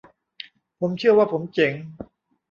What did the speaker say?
ผมเชื่อว่าผมเจ๋ง